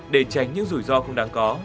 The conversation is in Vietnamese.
để tránh những rủi ro không đáng có